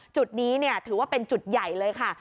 จุดนี้ถือว่าเป็นจุดใหญ่เลยค่ะ